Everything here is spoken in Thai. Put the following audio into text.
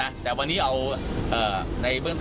เมื่อวานแบงค์อยู่ไหนเมื่อวาน